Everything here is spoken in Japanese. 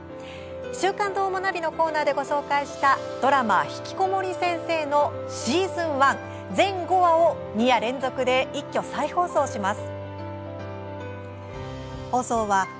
「週刊どーもナビ」のコーナーでご紹介したドラマ「ひきこもり先生」のシーズン１、全５話を２夜連続で一挙再放送します。